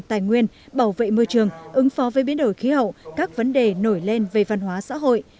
tài nguyên bảo vệ môi trường ứng phó với biến đổi khí hậu các vấn đề nổi lên về văn hóa xã hội